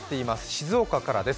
静岡からです。